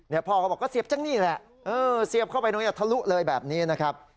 เนี่ยพ่อก็เฯร่ก็เสียบจ้างนี้เนี่ยใส่เข้าไปยักษ์ทะลักษณ์เลยแบบนี้นะครับ